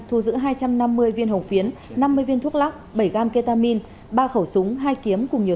thu giữ hai trăm năm mươi viên hồng phiến năm mươi viên thuốc lắc bảy gam ketamine ba khẩu súng hai kiếm cùng nhiều